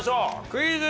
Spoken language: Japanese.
クイズ。